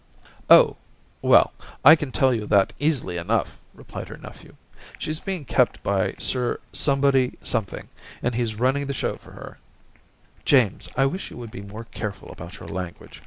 ... *Oh, well, I can tell you that easily enough,' replied her nephew. • She's being Daisy 255 kept by Sir Somebody Something, and he's running the show for her/ * James, I wish you would be more care ful about your language.